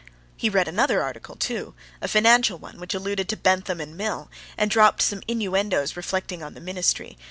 He read another article, too, a financial one, which alluded to Bentham and Mill, and dropped some innuendoes reflecting on the ministry.